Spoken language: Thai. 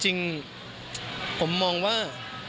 จริงผมมองว่า